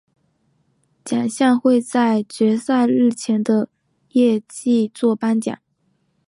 奖项会在决赛日前的夜祭作颁奖。